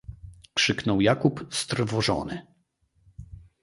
"krzyknął Jakób strwożony."